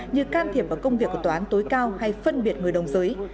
như can thiệp vào công việc của toán tối cao hay phân biệt người đồng giới